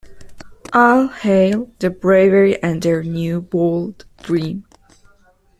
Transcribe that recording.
All hail The Bravery and their new bold dream.